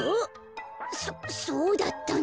そそうだったんだ。